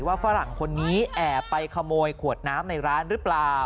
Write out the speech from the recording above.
ฝรั่งคนนี้แอบไปขโมยขวดน้ำในร้านหรือเปล่า